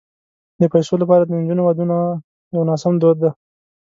د پيسو لپاره د نجونو ودونه یو ناسم دود دی.